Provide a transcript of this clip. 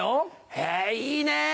へぇいいね。